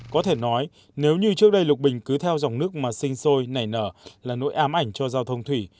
có thể nói nếu như trước đây lục bình cứ theo dòng nước mà sinh sôi nảy nở là nỗi ám ảnh cho giao thông thủy